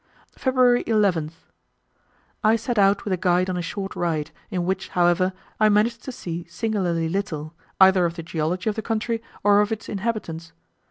February 11th. I set out with a guide on a short ride, in which, however, I managed to see singularly little, either of the geology of the country or of its inhabitants.